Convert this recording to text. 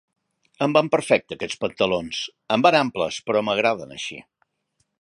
Em van perfecte, aquests pantalons. Em van amples, però m'agraden així.